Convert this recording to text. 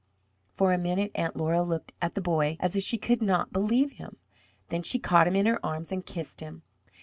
For a minute Aunt Laura looked at the boy as if she could not believe him. Then she caught him in her arms and kissed him.